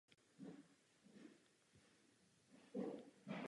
Doufám, že s tím budeme moci žít oba.